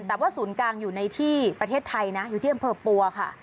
แต่ว่าศูนย์กลางอยู่ในที่ประเทศไทยนะอยู่ที่อำเภอปัวค่ะ